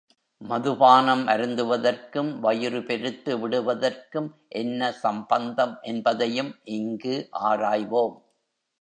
மதுபானம் அருந்துவதற்கும், வயிறு பெருத்து விடுவதற்கும் என்ன சம்பந்தம் என்பதையும் இங்கு ஆராய்வோம்.